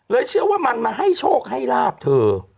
เชื่อว่ามันมาให้โชคให้ลาบเธอ